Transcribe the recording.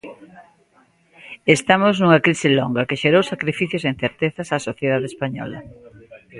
"Estamos nunha crise longa, que xerou sacrificios e incertezas á sociedade española".